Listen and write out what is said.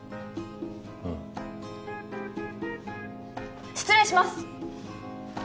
うん失礼します